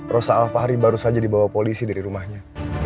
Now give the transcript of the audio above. rosa al fahri baru saja dibawa polisi dari rumahnya